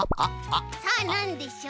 さあなんでしょう？